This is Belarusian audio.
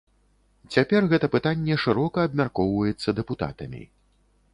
Цяпер гэта пытанне шырока абмяркоўваецца дэпутатамі.